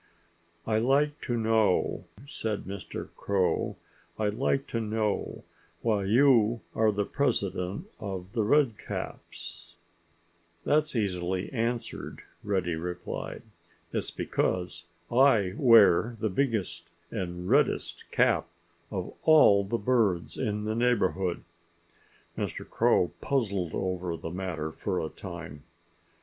"I'd like to knew—" said Mr. Crow—"I'd like to know why you are the president of The Redcaps." "That's easily answered," Reddy replied. "It's because I wear the biggest and reddest cap of all the birds in the neighborhood." Mr. Crow puzzled over the matter for a time.